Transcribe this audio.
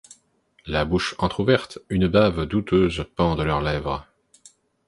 La bouche entrouverte, une bave douteuse pend de leurs lèvres.